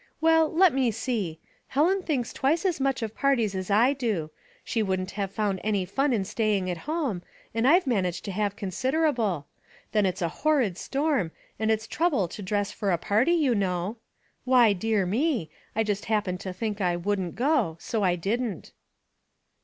*' Well, let me see. Helen thinks twice as much of parties as I do. She wouldn't have found any fun in staying at home, and I've managed to have considerable. Then it's a 48 Household Puzzles, horrid storm, and it's a trouble to dress for a party, you know. Why, dear me ! I just hap pened to think I wouldn't go, so I didn't."